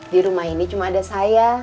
di rumah ini cuma ada saya